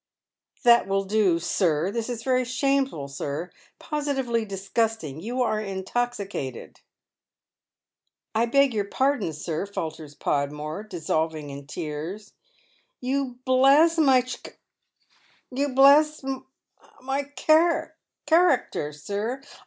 " That will do, sir. This is very shameful, sir, positively disgusting. You are intoxicated." " I beg your pardon, sir," falters Podmore, dissolving in tean. "You bias' my ch — ck — ar — racter, sir.